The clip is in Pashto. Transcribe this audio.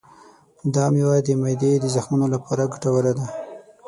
دا مېوه د معدې د زخمونو لپاره ګټوره ده.